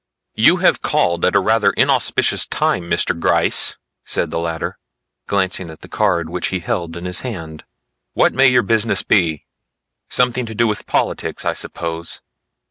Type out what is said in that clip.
"You have called at a rather inauspicious time, Mr. Gryce," said the latter, glancing at the card which he held in his hand. "What may your business be? Something to do with politics, I suppose."